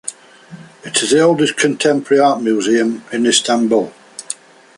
It is the oldest contemporary art museum in Istanbul.